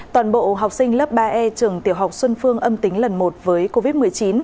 toàn bộ học sinh lớp ba e trường tiểu học xuân phương âm tính lần một với covid một mươi chín